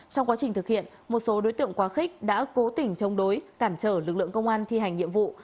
trong quá trình thực hiện một số đối tượng quá khích đã cố tình chống đối cản trở lực lượng công an thi hành nhiệm vụ